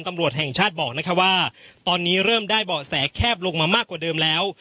ตำรวจแห่งชาติบอกว่าตอนนี้เริ่มได้เบาะแสแคบลงมามากกว่าเดิมแล้ว